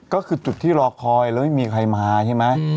ก็คือจุดที่รอคอยแล้วไม่มีใครมาใช่ไหม